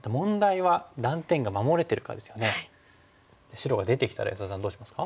白が出てきたら安田さんどうしますか？